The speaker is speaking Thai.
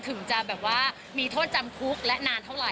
ถึงจะแบบว่ามีโทษจำคุกและนานเท่าไห